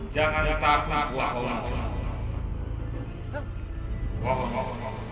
jangan letakkan aku akulah